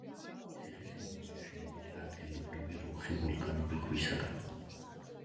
ციხესიმაგრე აშენებულია ადგილობრივი რუხი ვულკანური ქვისაგან.